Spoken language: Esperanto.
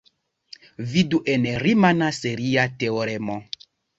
Vidu en "rimana seria teoremo".